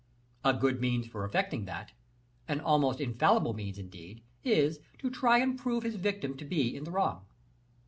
A good means for effecting that an almost infallible means, indeed is, to try and prove his victim to be in the wrong.